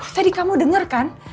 tadi kamu denger kan